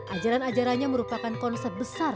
ajaran ajarannya merupakan konsep besar